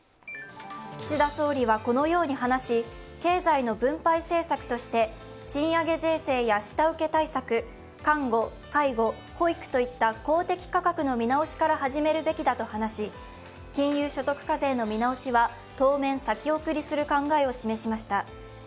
岸田総理はこのように話し、経済の分配政策として賃上げ税制や下請け対策、看護・介護・保育といった公的価格の見直しから始めるべきだと話し金融所得課税の見直しは当面先送りする考えを示しました。